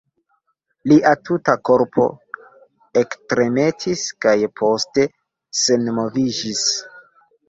Lia tuta korpo ektremetis kaj poste senmoviĝis.